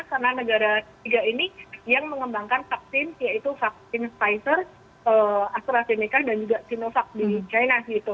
karena negara tiga ini yang mengembangkan vaksin yaitu vaksin pfizer astrazeneca dan juga sinovac di china